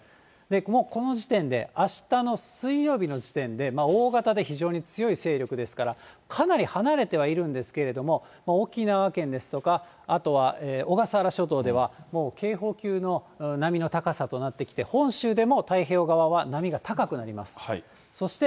もうこの時点で、あしたの水曜日の時点で、大型で非常に強い勢力ですから、かなり離れてはいるんですけれども、沖縄県ですとか、あとは小笠原諸島では、もう警報級の波の高さとなってきて、本州でも太平洋側は波が高くなります。